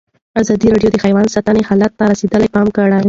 ازادي راډیو د حیوان ساتنه حالت ته رسېدلي پام کړی.